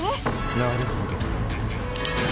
なるほど。